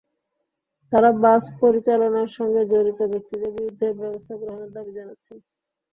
তাঁরা বাস পরিচালনার সঙ্গে জড়িত ব্যক্তিদের বিরুদ্ধে ব্যবস্থা গ্রহণের দাবি জানাচ্ছেন।